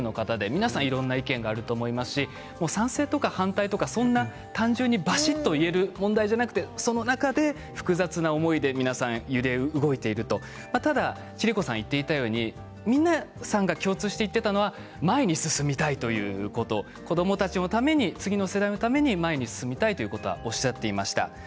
今回取材できたのはほんの一部の方でいろんな意見があると思いますし賛成とか反対とか単純に言える問題ではなくて、その中で複雑な思いで皆さん揺れ動いていると千里子さんが言っていたように皆さんの共通していたのは前に進みたいということ子どもたちのために次の世代のために前に進んでいきたいということもおっしゃっていました。